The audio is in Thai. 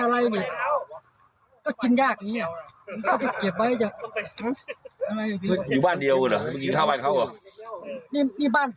ไม่ใช่อย่างนั้น